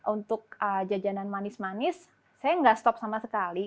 untuk jajanan manis manis saya gak stop sama sekali